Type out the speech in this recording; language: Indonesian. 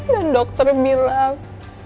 dan dokter bilang